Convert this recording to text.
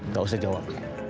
gak usah jawab